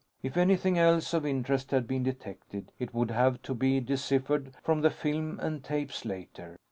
If anything else of interest had been detected, it would have to be deciphered from the film and tapes later.